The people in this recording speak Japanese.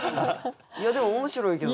いやでも面白いけどな。